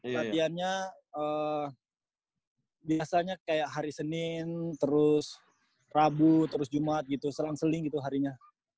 latihannya biasanya kayak hari senin terus rabu terus jumat gitu selang seling gitu harinya